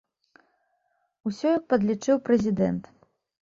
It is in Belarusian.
Усе як падлічыў прэзідэнт.